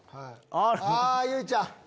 あゆいちゃん！